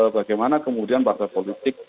bagaimana kemudian partai politik